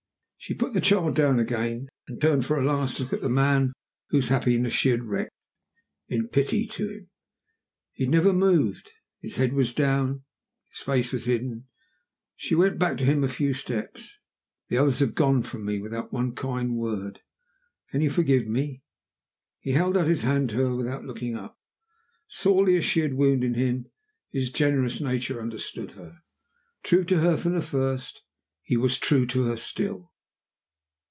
She put the child down again, and turned for a last look at the man whose happiness she had wrecked in pity to him. He had never moved. His head was down; his face was hidden. She went back to hi m a few steps. "The others have gone from me without one kind word. Can you forgive me?" He held out his hand to her without looking up. Sorely as she had wounded him, his generous nature understood her. True to her from the first, he was true to her still.